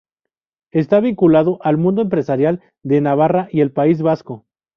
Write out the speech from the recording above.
Está vinculado al mundo empresarial de Navarra y el País Vasco.